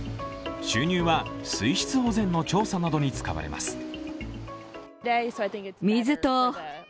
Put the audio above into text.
収入は水質保全の調査などに使われます。